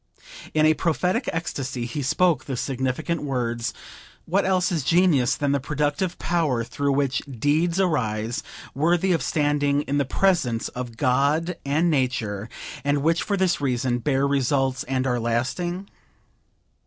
In a prophetic ecstasy he spoke the significant words: "What else is genius than that productive power through which deeds arise, worthy of standing in the presence of God and Nature, and which, for this reason, bear results and are lasting?